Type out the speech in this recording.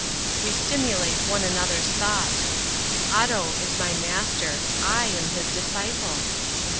We stimulate one another's thought. Otto is my master. I am his disciple!